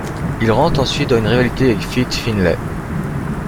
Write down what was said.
Il rentre ensuite dans une rivalité avec Fit Finlay.